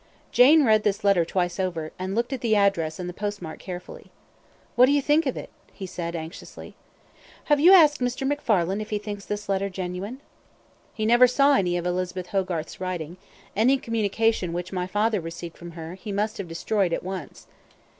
Jane read this letter twice over, and looked at the address and the postmark carefully. "What do you think of it?" said he, anxiously. "Have you asked Mr. McFarlane if he thinks this letter genuine?" "He never saw any of Elizabeth Hogarth's writing. Any communication which my father received from her, he must have destroyed at once."